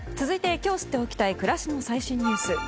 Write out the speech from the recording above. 続いて今日知っておきたい暮らしの最新ニュース。